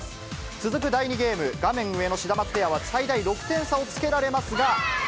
続く第２ゲーム、画面上のシダマツペアは、最大６点差をつけられますが。